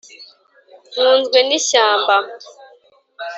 nguzwe n'ishyamba